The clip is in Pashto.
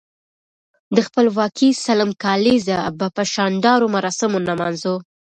د خپلواکۍ سلم کاليزه به په شاندارو مراسمو نمانځو.